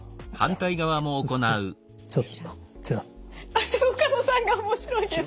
あっ岡野さんが面白いです！